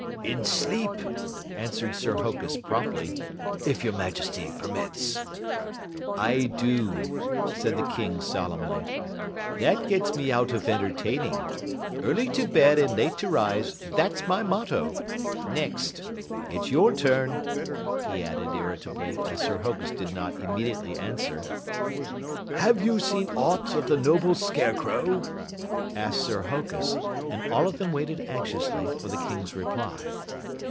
"In sleep," answered Sir Hokus promptly, "if your Majesty permits." "I do," said the King solemnly. "That gets me out of entertaining. Early to bed and late to rise, that's my motto. Next! It's your turn," he added irritably as Sir Hokus did not immediately answer. "Have you seen aught of the noble Scarecrow?" asked Sir Hokus, and all of them waited anxiously for the King's reply.